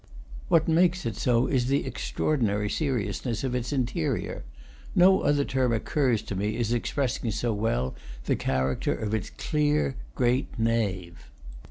What makes it so is the extraordinary seriousness of its interior; no other term occurs to me as expressing so well the character of its clear gray nave.